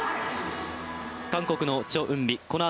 韓国のチョ・ウンビ。